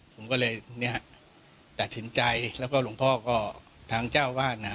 ผมก็เลยตัดสินใจแล้วก็หลวงพ่อก็ทางเจ้าวาดนะฮะ